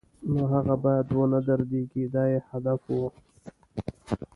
نو هغه باید و نه دردېږي دا یې هدف و.